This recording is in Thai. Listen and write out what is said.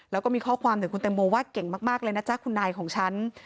แล้วก็มีข้อความถึงคุณแตงโมว่าเก่งมากเลยนะจ๊ะคุณนายของฉัน